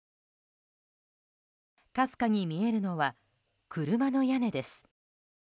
かすかに見えるのは車の屋根です。